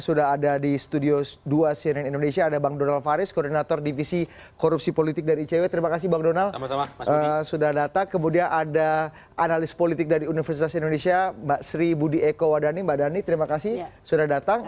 sudah datang kemudian ada analis politik dari universitas indonesia mbak sri budi eko wadani mbak dhani terima kasih sudah datang